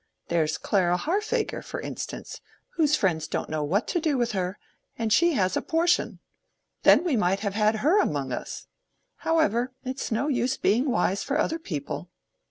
There's Clara Harfager, for instance, whose friends don't know what to do with her; and she has a portion. Then we might have had her among us. However!—it's no use being wise for other people.